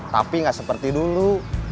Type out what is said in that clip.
tapi nggak seperti dulu